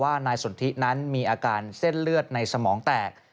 นายสนทินั้นมีอาการเส้นเลือดในสมองแตก